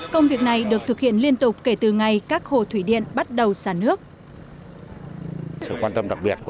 công việc này được thực hiện liên tục kể từ ngày các hồ thủy điện bắt đầu sản nước